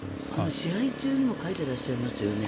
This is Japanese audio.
試合中にも書いてらっしゃいますよね。